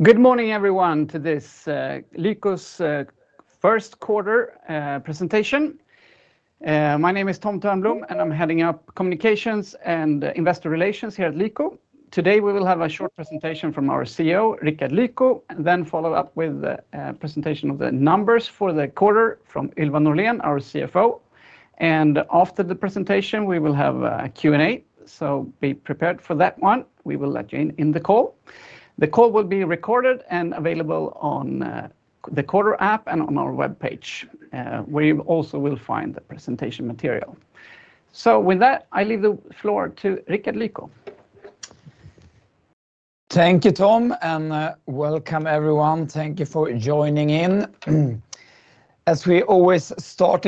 Good morning, everyone, to this Lyko's First Quarter Presentation. My name is Tom Thörnblom, and I'm heading up Communications and Investor Relations here at Lyko. Today, we will have a short presentation from our CEO, Rickard Lyko, and then follow up with the presentation of the numbers for the quarter from Ylva Norlén, our CFO. After the presentation, we will have a Q&A, so be prepared for that one. We will let you in the call. The call will be recorded and available on the Quartr app and on our web page, where you also will find the presentation material. With that, I leave the floor to Rickard Lyko. Thank you, Tom, and welcome, everyone. Thank you for joining in. As we always start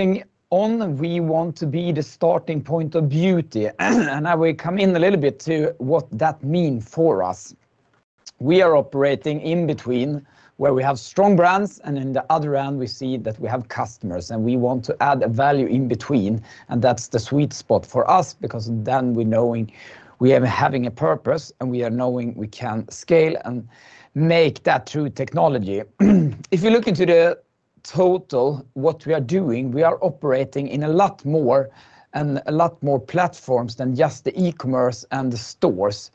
on, we want to be the starting point of beauty. I will come in a little bit to what that means for us. We are operating in between where we have strong brands, and in the other end, we see that we have customers, and we want to add value in between. That is the sweet spot for us, because then we know we are having a purpose, and we are knowing we can scale and make that through technology. If you look into the total, what we are doing, we are operating in a lot more and a lot more platforms than just the e-commerce and the stores.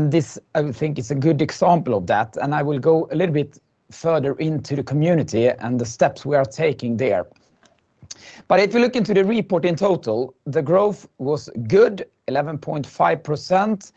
This, I think, is a good example of that. I will go a little bit further into the community and the steps we are taking there. If you look into the report in total, the growth was good, 11.5%,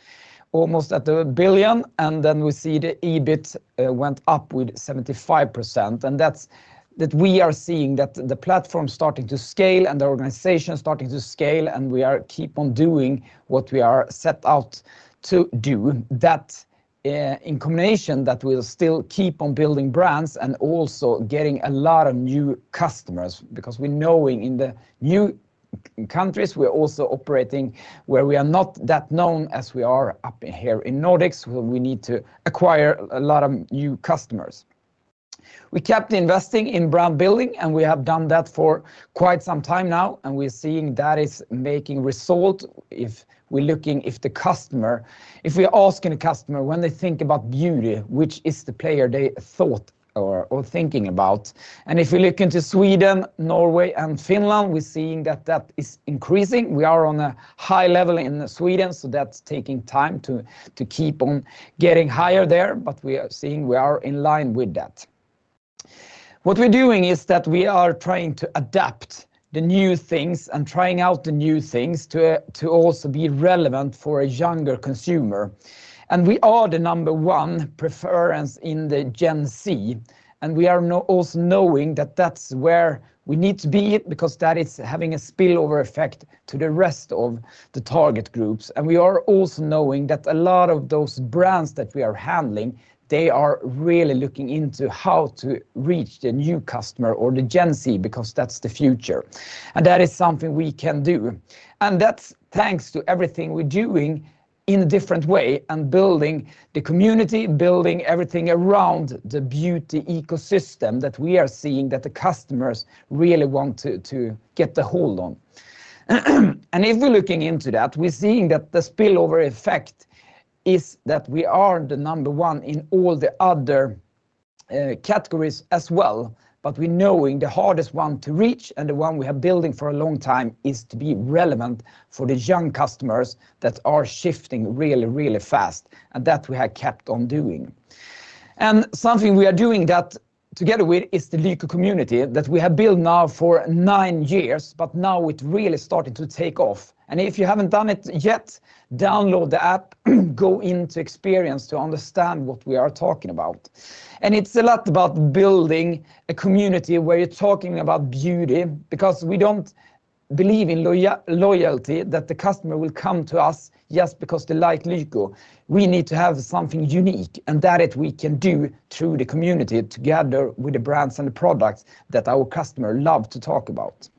almost at the billion. We see the EBIT went up with 75%. That is that we are seeing that the platform is starting to scale and the organization is starting to scale, and we are keeping on doing what we are set out to do. That in combination, that we will still keep on building brands and also getting a lot of new customers, because we know in the new countries, we are also operating where we are not that known as we are up here in Nordics, where we need to acquire a lot of new customers. We kept investing in brand building, and we have done that for quite some time now, and we're seeing that is making result. If we're looking if the customer, if we're asking a customer, when they think about beauty, which is the player they thought or thinking about. If we look into Sweden, Norway, and Finland, we're seeing that that is increasing. We are on a high level in Sweden, so that's taking time to keep on getting higher there, but we are seeing we are in line with that. What we're doing is that we are trying to adapt the new things and trying out the new things to also be relevant for a younger consumer. We are the number one preference in Gen Z, and we are also knowing that that's where we need to be, because that is having a spillover effect to the rest of the target groups. We are also knowing that a lot of those brands that we are handling, they are really looking into how to reach the new customer or Gen Z, because that's the future. That is something we can do. That is thanks to everything we're doing in a different way and building the community, building everything around the beauty ecosystem that we are seeing that the customers really want to get a hold on. If we're looking into that, we're seeing that the spillover effect is that we are the number one in all the other categories as well. We're knowing the hardest one to reach and the one we have been building for a long time is to be relevant for the young customers that are shifting really, really fast, and that we have kept on doing. Something we are doing that together with is the Lyko community that we have built now for nine years, but now it really started to take off. If you haven't done it yet, download the app, go into experience to understand what we are talking about. It's a lot about building a community where you're talking about beauty, because we don't believe in loyalty that the customer will come to us just because they like Lyko. We need to have something unique, and that is we can do through the community together with the brands and the products that our customers love to talk about.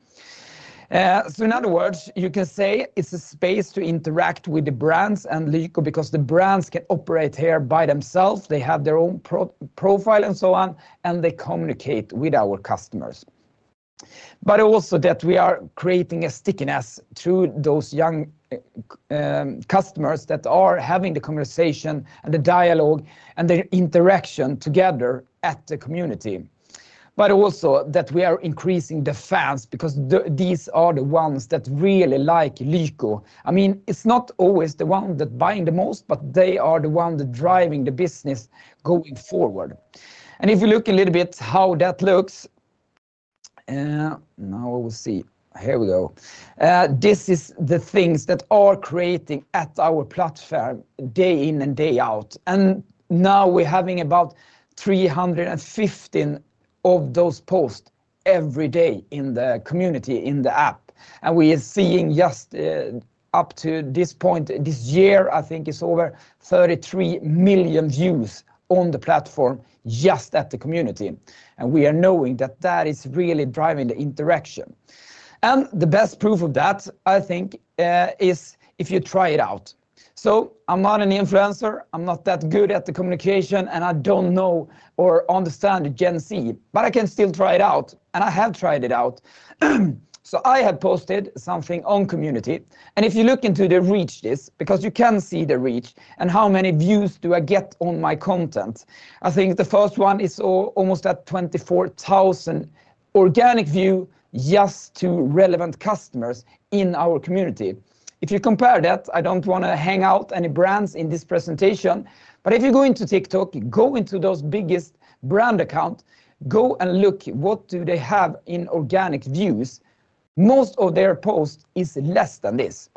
In other words, you can say it's a space to interact with the brands and Lyko, because the brands can operate here by themselves. They have their own profile and so on, and they communicate with our customers. Also, we are creating a stickiness through those young customers that are having the conversation and the dialogue and the interaction together at the community. Also, we are increasing the fans, because these are the ones that really like Lyko. I mean, it's not always the one that's buying the most, but they are the one that's driving the business going forward. If you look a little bit how that looks, now we'll see. Here we go. These are the things that are creating at our platform day in and day out. We are having about 315 of those posts every day in the community in the app. We are seeing just up to this point this year, I think it's over 33 million views on the platform just at the community. We are knowing that that is really driving the interaction. The best proof of that, I think, is if you try it out. I'm not an influencer. I'm not that good at the communication, and I don't know or understand Gen Z, but I can still try it out. I have tried it out. I have posted something on community. If you look into the reach this, because you can see the reach and how many views do I get on my content, I think the first one is almost at 24,000 organic views just to relevant customers in our community. If you compare that, I do not want to hang out any brands in this presentation, but if you go into TikTok, go into those biggest brand accounts, go and look what do they have in organic views. Most of their posts is less than this.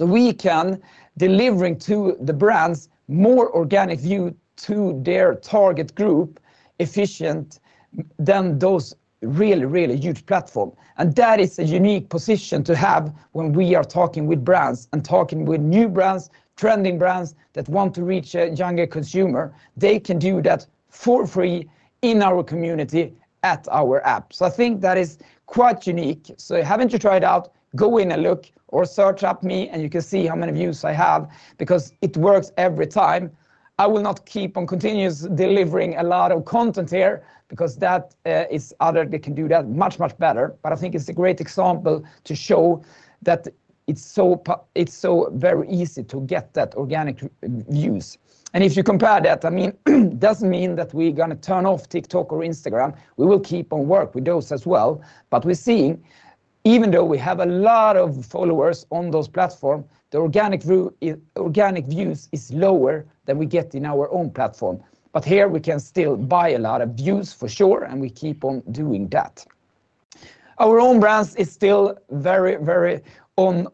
We can be delivering to the brands more organic views to their target group efficient than those really, really huge platforms. That is a unique position to have when we are talking with brands and talking with new brands, trending brands that want to reach a younger consumer. They can do that for free in our community at our app. I think that is quite unique. Haven't you tried it out? Go in and look or search up me, and you can see how many views I have, because it works every time. I will not keep on continuously delivering a lot of content here, because that is others that can do that much, much better. I think it's a great example to show that it's so very easy to get that organic views. If you compare that, I mean, it doesn't mean that we're going to turn off TikTok or Instagram. We will keep on work with those as well. We're seeing, even though we have a lot of followers on those platforms, the organic views are lower than we get in our own platform. Here we can still buy a lot of views for sure, and we keep on doing that. Our own brands are still very, very going;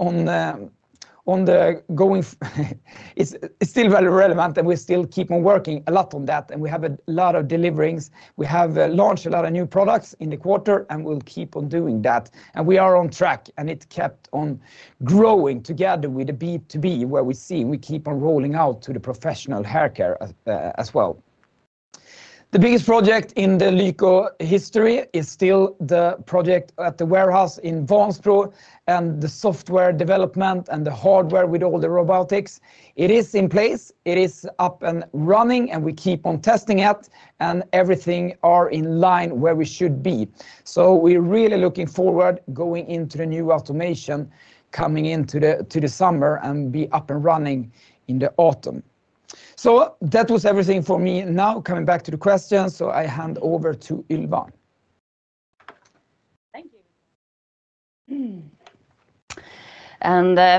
it's still very relevant, and we still keep on working a lot on that. We have a lot of deliverings. We have launched a lot of new products in the quarter, and we'll keep on doing that. We are on track, and it kept on growing together with the B2B, where we see we keep on rolling out to the professional haircare as well. The biggest project in the Lyko history is still the project at the warehouse in Vansbro and the software development and the hardware with all the robotics. It is in place. It is up and running, and we keep on testing it, and everything is in line where we should be. We are really looking forward to going into the new automation coming into the summer and be up and running in the autumn. That was everything for me. Now, coming back to the questions, I hand over to Ylva. Thank you.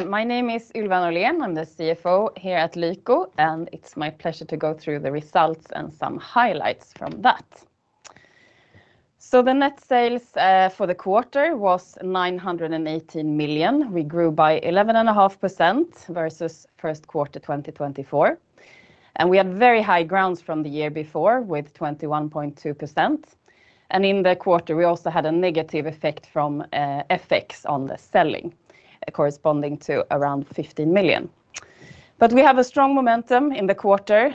My name is Ylva Norlén. I'm the CFO here at Lyko, and it's my pleasure to go through the results and some highlights from that. The net sales for the quarter was 918 million. We grew by 11.5% versus first quarter 2024. We had very high grounds from the year before with 21.2%. In the quarter, we also had a negative effect from FX on the selling, corresponding to around 15 million. We have a strong momentum in the quarter,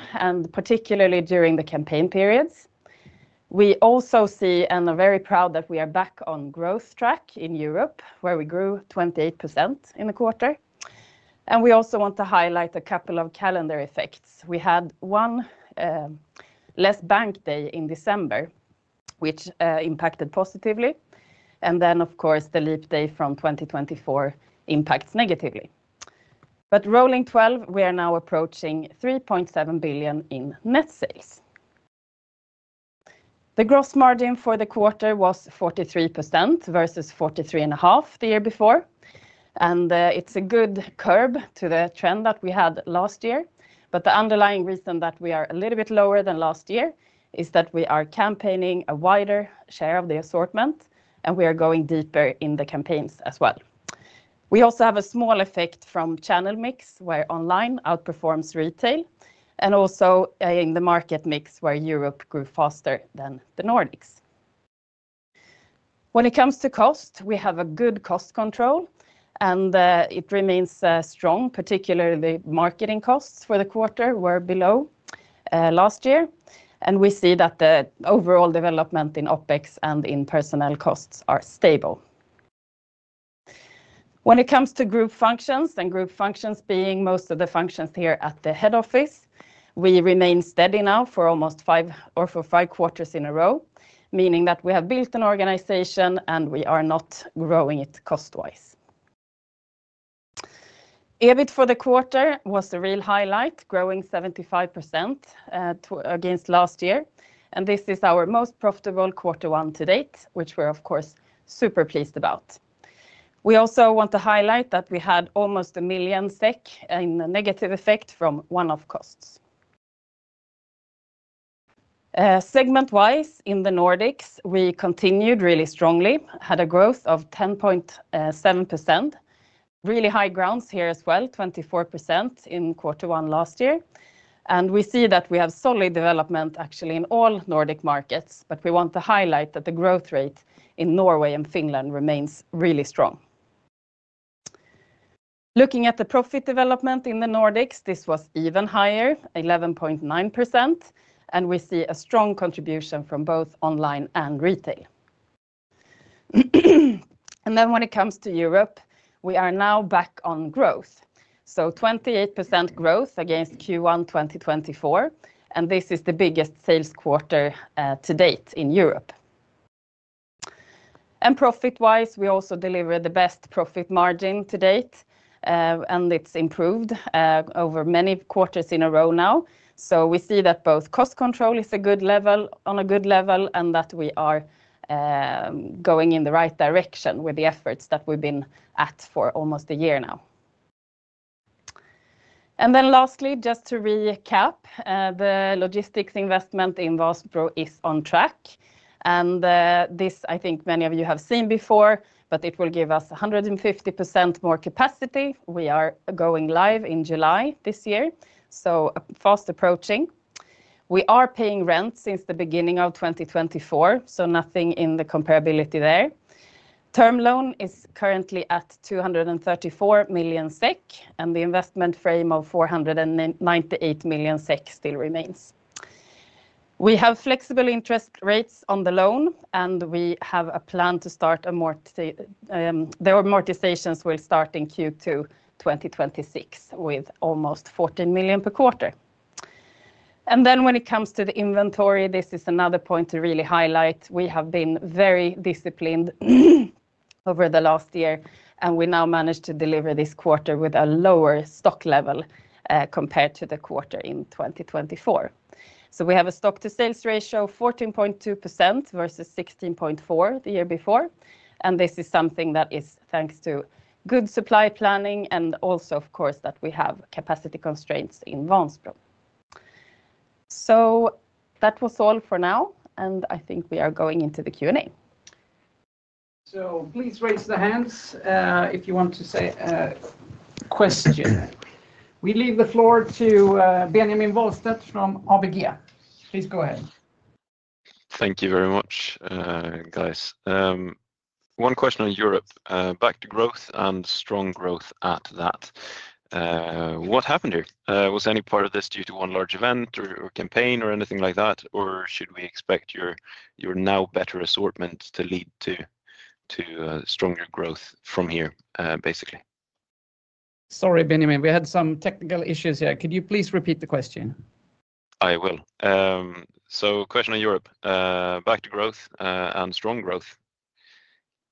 particularly during the campaign periods. We also see and are very proud that we are back on growth track in Europe, where we grew 28% in the quarter. We also want to highlight a couple of calendar effects. We had one less bank day in December, which impacted positively. Of course, the leap day from 2024 impacts negatively. Rolling 12, we are now approaching 3.7 billion in net sales. The gross margin for the quarter was 43% versus 43.5% the year before. It is a good curb to the trend that we had last year. The underlying reason that we are a little bit lower than last year is that we are campaigning a wider share of the assortment, and we are going deeper in the campaigns as well. We also have a small effect from channel mix, where online outperforms retail, and also in the market mix, where Europe grew faster than the Nordics. When it comes to cost, we have good cost control, and it remains strong, particularly the marketing costs for the quarter were below last year. We see that the overall development in OPEX and in personnel costs are stable. When it comes to group functions and group functions being most of the functions here at the head office, we remain steady now for almost five or for five quarters in a row, meaning that we have built an organization and we are not growing it cost-wise. EBIT for the quarter was a real highlight, growing 75% against last year. This is our most profitable quarter one to date, which we're, of course, super pleased about. We also want to highlight that we had almost 1 million SEK in a negative effect from one-off costs. Segment-wise in the Nordics, we continued really strongly, had a growth of 10.7%. Really high grounds here as well, 24% in quarter one last year. We see that we have solid development actually in all Nordic markets, but we want to highlight that the growth rate in Norway and Finland remains really strong. Looking at the profit development in the Nordics, this was even higher, 11.9%, and we see a strong contribution from both online and retail. When it comes to Europe, we are now back on growth. 28% growth against Q1 2024, and this is the biggest sales quarter to date in Europe. Profit-wise, we also delivered the best profit margin to date, and it has improved over many quarters in a row now. We see that both cost control is on a good level and that we are going in the right direction with the efforts that we've been at for almost a year now. Lastly, just to recap, the logistics investment in Vansbro is on track. I think many of you have seen this before, but it will give us 150% more capacity. We are going live in July this year, so fast approaching. We are paying rent since the beginning of 2024, so nothing in the comparability there. Term loan is currently at 234 million SEK, and the investment frame of 498 million SEK still remains. We have flexible interest rates on the loan, and we have a plan to start amortizations in Q2 2026 with almost 14 million per quarter. When it comes to the inventory, this is another point to really highlight. We have been very disciplined over the last year, and we now manage to deliver this quarter with a lower stock level compared to the quarter in 2024. We have a stock-to-sales ratio of 14.2% versus 16.4% the year before. This is something that is thanks to good supply planning and also, of course, that we have capacity constraints in Vansbro. That was all for now, and I think we are going into the Q&A. Please raise your hands if you want to ask a question. We leave the floor to Benjamin Wahlstedt from ABG. Please go ahead. Thank you very much, guys. One question on Europe. Back to growth and strong growth at that. What happened here? Was any part of this due to one large event or campaign or anything like that, or should we expect your now better assortment to lead to stronger growth from here, basically? Sorry, Benjamin. We had some technical issues here. Could you please repeat the question? I will. Question on Europe. Back to growth and strong growth.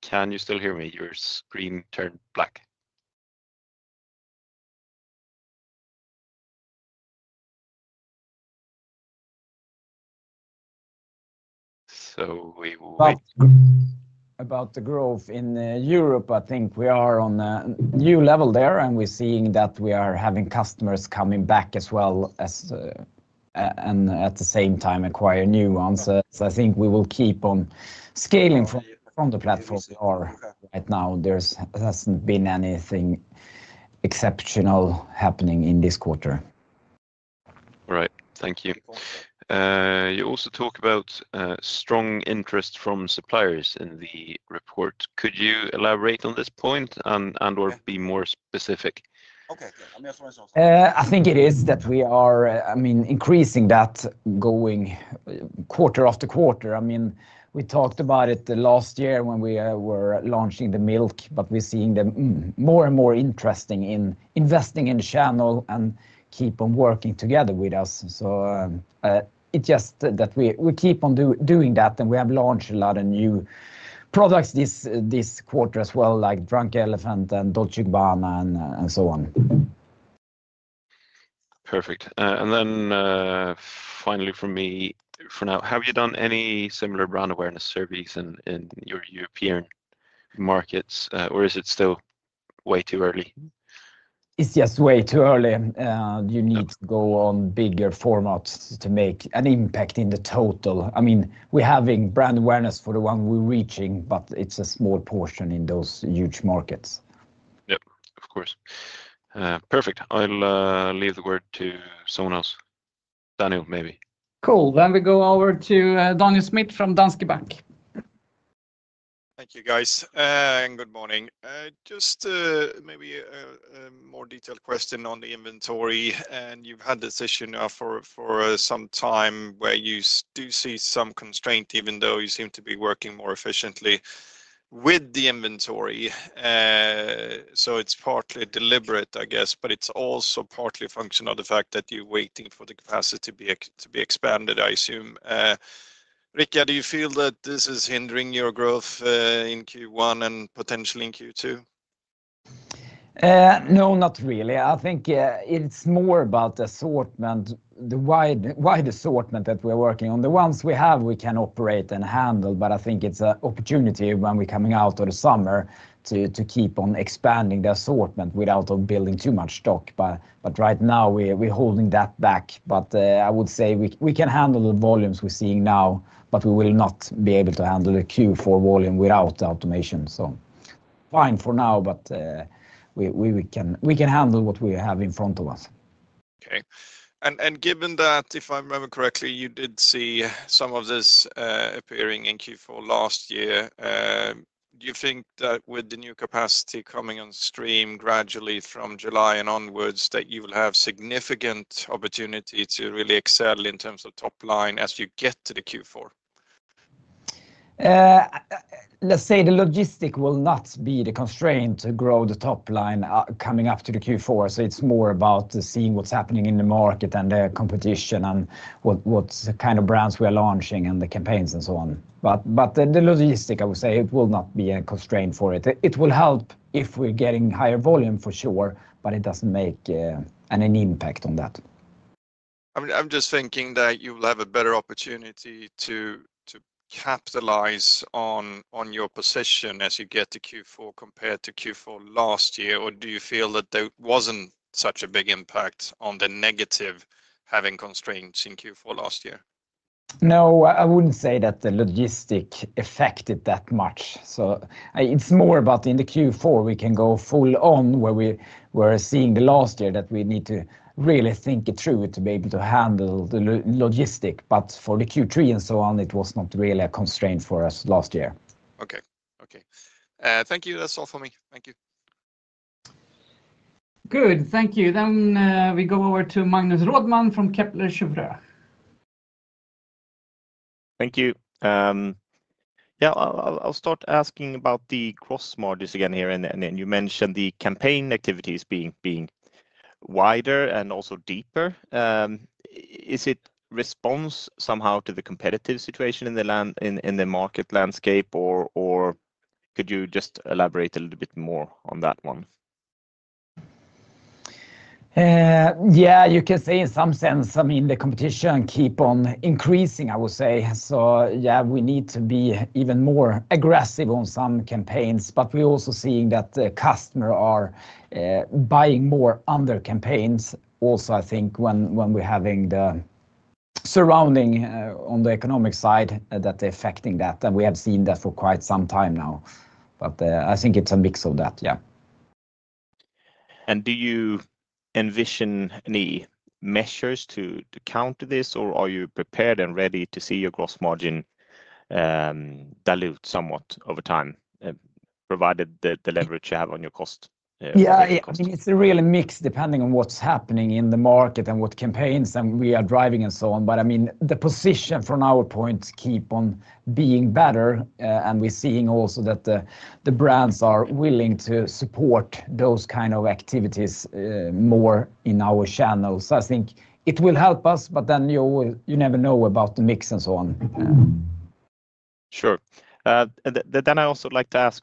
Can you still hear me? Your screen turned black. We wait. About the growth in Europe, I think we are on a new level there, and we're seeing that we are having customers coming back as well and at the same time acquiring new ones. I think we will keep on scaling from the platform. Right now, there has not been anything exceptional happening in this quarter. All right. Thank you. You also talk about strong interest from suppliers in the report. Could you elaborate on this point and/or be more specific? I think it is that we are increasing that going quarter after quarter. I mean, we talked about it last year when we were launching the Milk, but we're seeing them more and more interested in investing in the channel and keep on working together with us. It is just that we keep on doing that, and we have launched a lot of new products this quarter as well, like Drunk Elephant and Dolce & Gabbana and so on. Perfect. Finally for me for now, have you done any similar brand awareness surveys in your European markets, or is it still way too early? It's just way too early. You need to go on bigger formats to make an impact in the total. I mean, we're having brand awareness for the one we're reaching, but it's a small portion in those huge markets. Yep, of course. Perfect. I'll leave the word to someone else. Daniel, maybe. Cool. We go over to Daniel Schmidt from Danske Bank. Thank you, guys, and good morning. Just maybe a more detailed question on the inventory. You've had this issue now for some time where you do see some constraint, even though you seem to be working more efficiently with the inventory. It's partly deliberate, I guess, but it's also partly a function of the fact that you're waiting for the capacity to be expanded, I assume. Rickard, do you feel that this is hindering your growth in Q1 and potentially in Q2? No, not really. I think it's more about the assortment, the wide assortment that we are working on. The ones we have, we can operate and handle, but I think it's an opportunity when we're coming out of the summer to keep on expanding the assortment without building too much stock. Right now, we're holding that back. I would say we can handle the volumes we're seeing now, but we will not be able to handle the Q4 volume without automation. Fine for now, but we can handle what we have in front of us. Okay. Given that, if I remember correctly, you did see some of this appearing in Q4 last year. Do you think that with the new capacity coming on stream gradually from July and onwards, that you will have significant opportunity to really excel in terms of top line as you get to the Q4? Let's say the logistic will not be the constraint to grow the top line coming up to the Q4. It is more about seeing what's happening in the market and the competition and what kind of brands we are launching and the campaigns and so on. The logistic, I would say, it will not be a constraint for it. It will help if we're getting higher volume for sure, but it doesn't make an impact on that. I'm just thinking that you will have a better opportunity to capitalize on your position as you get to Q4 compared to Q4 last year. Or do you feel that there wasn't such a big impact on the negative having constraints in Q4 last year? No, I wouldn't say that the logistic affected that much. It is more about in the Q4, we can go full on where we were seeing last year that we need to really think it through to be able to handle the logistic. For the Q3 and so on, it was not really a constraint for us last year. Okay. Okay. Thank you. That's all for me. Thank you. Good. Thank you. We go over to Magnus Råman from Kepler Cheuvreux. Thank you. Yeah, I'll start asking about the gross margins again here. You mentioned the campaign activities being wider and also deeper. Is it response somehow to the competitive situation in the market landscape, or could you just elaborate a little bit more on that one? Yeah, you can say in some sense, I mean, the competition keeps on increasing, I would say. Yeah, we need to be even more aggressive on some campaigns, but we're also seeing that the customers are buying more under campaigns. Also, I think when we're having the surrounding on the economic side that they're affecting that, and we have seen that for quite some time now. I think it's a mix of that, yeah. Do you envision any measures to counter this, or are you prepared and ready to see your gross margin dilute somewhat over time, provided the leverage you have on your cost? Yeah, I mean, it's really mixed depending on what's happening in the market and what campaigns we are driving and so on. I mean, the position from our point keeps on being better, and we're seeing also that the brands are willing to support those kinds of activities more in our channels. I think it will help us, but you never know about the mix and so on. Sure. I also like to ask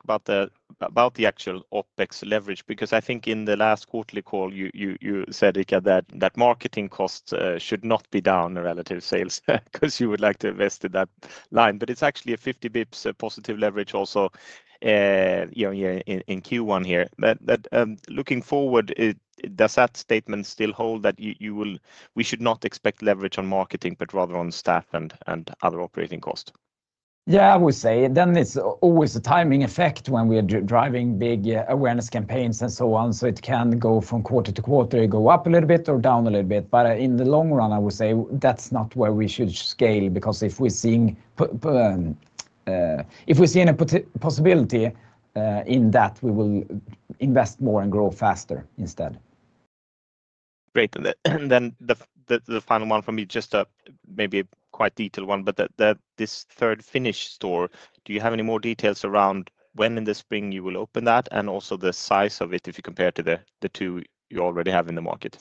about the actual OPEX leverage, because I think in the last quarterly call, you said, Rickard, that marketing costs should not be down relative to sales because you would like to invest in that line. It is actually a 50 basis points positive leverage also in Q1 here. Looking forward, does that statement still hold that we should not expect leverage on marketing, but rather on staff and other operating costs? Yeah, I would say. It is always a timing effect when we are driving big awareness campaigns and so on. It can go from quarter-to-quarter, go up a little bit or down a little bit. In the long run, I would say that's not where we should scale, because if we see a possibility in that, we will invest more and grow faster instead. Great. The final one for me, just maybe a quite detailed one, but this third Finnish store, do you have any more details around when in the spring you will open that and also the size of it if you compare to the two you already have in the market?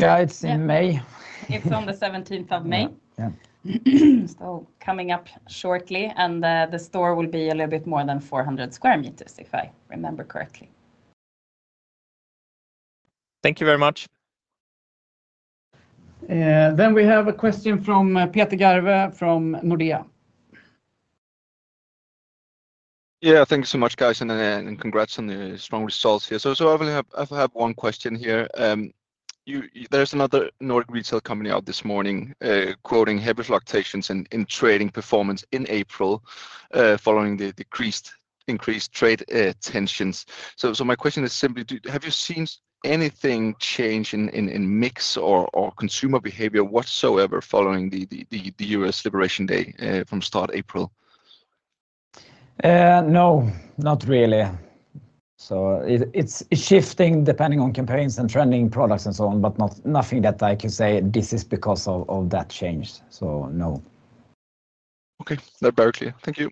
Yeah, it's in May. It's on the 17th of May. Coming up shortly, and the store will be a little bit more than 400 sq meters, if I remember correctly. Thank you very much. We have a question from Peter Grave from Nordea. Yeah, thank you so much, guys, and congrats on the strong results here. I have one question here. There's another Nordic retail company out this morning quoting heavy fluctuations in trading performance in April following the increased trade tensions. My question is simply, have you seen anything change in mix or consumer behavior whatsoever following the US Liberation Day from start April? No, not really. It is shifting depending on campaigns and trending products and so on, but nothing that I can say this is because of that change. No. Okay. That's very clear. Thank you.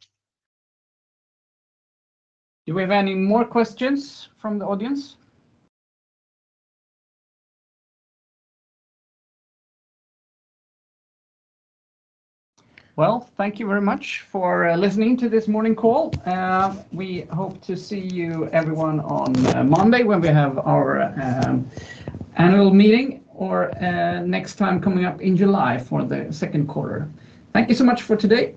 Do we have any more questions from the audience? Thank you very much for listening to this morning call. We hope to see you, everyone, on Monday when we have our annual meeting or next time coming up in July for the second quarter. Thank you so much for today.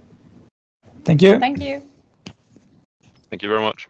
Thank you. Thank you. Thank you very much.